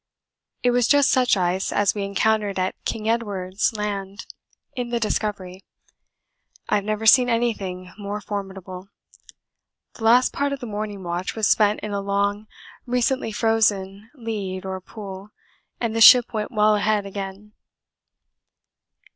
It was just such ice as we encountered at King Edward's Land in the Discovery. I have never seen anything more formidable. The last part of the morning watch was spent in a long recently frozen lead or pool, and the ship went well ahead again.